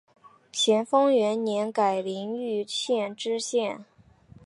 咸丰元年改临榆县知县。